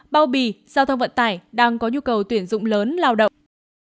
bao bì giao thông vận tải đang có nhu cầu tuyển dụng lớn lao động